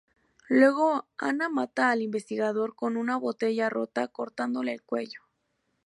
Luego, Anna mata al investigador con una botella rota cortándole el cuello.